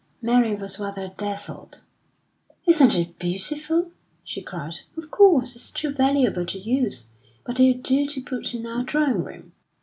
Mary was rather dazzled. "Isn't it beautiful!" she cried, "Of course, it's too valuable to use; but it'll do to put in our drawing room."